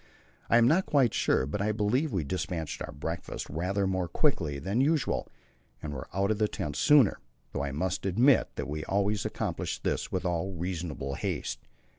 I am not quite sure, but I believe we despatched our breakfast rather more quickly than usual and were out of the tent sooner, though I must admit that we always accomplished this with all reasonable haste.